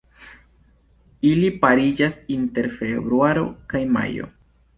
Ili pariĝas inter februaro kaj majo.